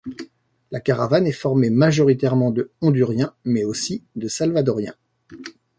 La caravane est formée majoritairement de honduriens, mais aussi de salvadorien.